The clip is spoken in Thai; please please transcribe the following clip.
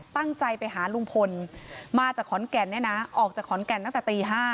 ตั้งใจไปหาลุงพลมาจากขอนแก่นเนี่ยนะออกจากขอนแก่นตั้งแต่ตี๕